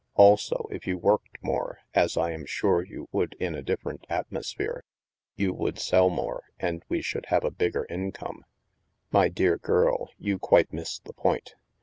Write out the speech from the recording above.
Also, if you worked more, as I am sure you would in a different atmosphere, you would sell more, and we should have a bigger income." " My dear girl, you quite miss the point.